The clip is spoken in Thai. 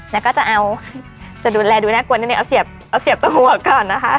แล้วก็จะเอาจะดูแลดูน่ากลัวนิดนึงเอาเสียบเอาเสียบตรงหัวก่อนนะคะ